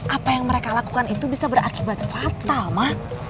apa yang mereka lakukan itu bisa berakibat fatal mah